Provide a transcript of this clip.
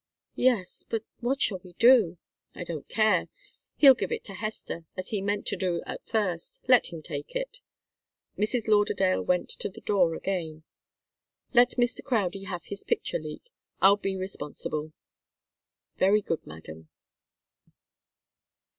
"Yes but what shall we do?" "I don't care. He'll give it to Hester, as he meant to do at first. Let him take it." Mrs. Lauderdale went to the door again. "Let Mr. Crowdie have his picture, Leek. I'll be responsible." "Very good, madam."